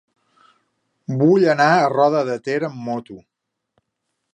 Vull anar a Roda de Ter amb moto.